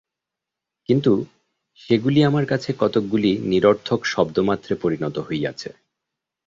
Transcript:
কিন্তু সেগুলি আমাদের কাছে কতকগুলি নিরর্থক শব্দমাত্রে পরিণত হইয়াছে।